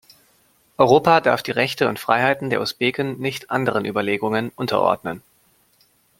Europa darf die Rechte und Freiheiten der Usbeken nicht anderen Überlegungen unterordnen.